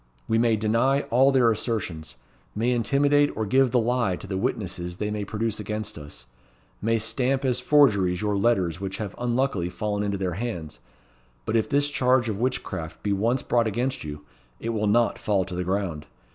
We may deny all their assertions; may intimidate or give the lie to the witnesses they may produce against us; may stamp as forgeries your letters which have unluckily fallen into their hands; but if this charge of witchcraft be once brought against you, it will not fall to the ground.